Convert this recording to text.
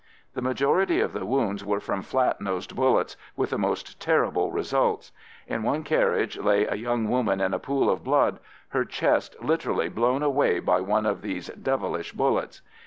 The majority of the wounds were from flat nosed bullets, with the most terrible results. In one carriage lay a young woman in a pool of blood, her chest literally blown away by one of these devilish bullets.